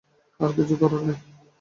আর কিছু করার নেই।